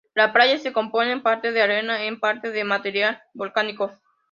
La playa se compone en parte de arena, en parte, de material volcánico.